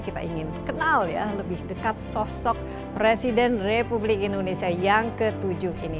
kita ingin kenal ya lebih dekat sosok presiden republik indonesia yang ke tujuh ini